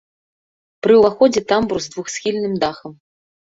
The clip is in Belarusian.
Пры ўваходзе тамбур з двухсхільным дахам.